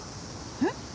えっ？